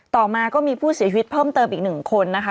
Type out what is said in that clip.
ต่อมาก็มีผู้เสียชีวิตเพิ่มเติมอีก๑คนนะคะ